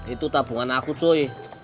itu tabungan aku cuy